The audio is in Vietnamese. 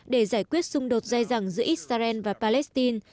để giải quyết xung đột dài dẳng giữa israel và palestine